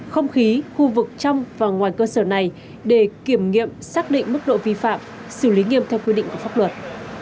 không khí khu vực trong và ngoài cơ sở này để kiểm nghiệm xác định mức độ vi phạm xử lý nghiêm theo quy định của pháp luật